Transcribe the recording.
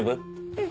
うん。